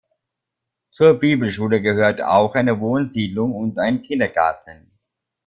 Zur Bibelschule gehört auch eine Wohnsiedlung und ein Kindergarten.